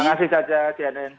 makasih saja cnn